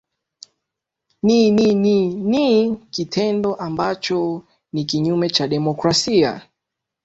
ni ni ni nii nikitendo ambacho ni kinyume cha demokrasia